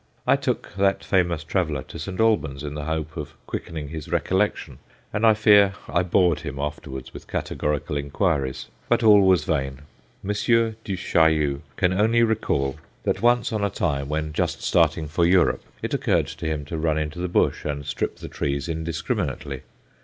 I took that famous traveller to St. Albans in the hope of quickening his recollection, and I fear I bored him afterwards with categorical inquiries. But all was vain. M. Du Chaillu can only recall that once on a time, when just starting for Europe, it occurred to him to run into the bush and strip the trees indiscriminately.